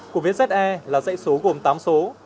của vé ze là dạy số gồm tám số